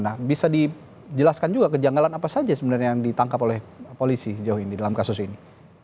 nah bisa dijelaskan juga kejanggalan apa saja sebenarnya yang ditangkap oleh polisi jauh ini dalam kasus ini